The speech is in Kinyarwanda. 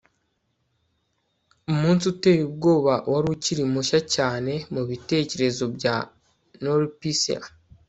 umunsi uteye ubwoba wari ukiri mushya cyane mubitekerezo bya norpisia